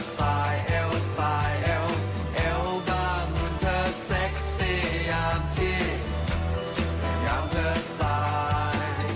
สวัสดีครับ